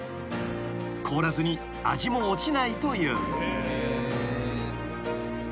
［凍らずに味も落ちないという］